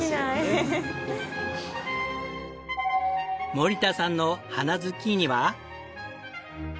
森田さんの花ズッキーニは。